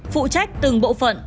phụ trách từng bộ phận